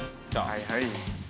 はいはい。